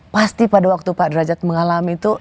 pasti pada waktu pak derajat mengalami itu